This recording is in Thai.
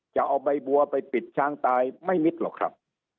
จะเอาใบบัวไปปิดช้างตายไม่มิดหรอกครับ